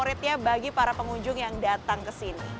favoritnya bagi para pengunjung yang datang ke sini